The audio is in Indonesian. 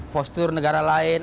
postur negara lain